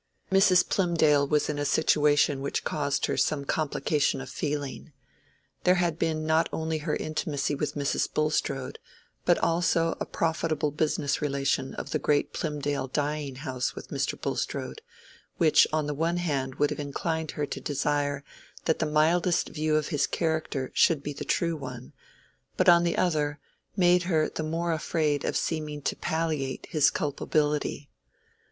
Mrs. Plymdale was in a situation which caused her some complication of feeling. There had been not only her intimacy with Mrs. Bulstrode, but also a profitable business relation of the great Plymdale dyeing house with Mr. Bulstrode, which on the one hand would have inclined her to desire that the mildest view of his character should be the true one, but on the other, made her the more afraid of seeming to palliate his culpability.